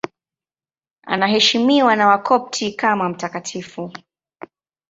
Anaheshimiwa na Wakopti kama mtakatifu.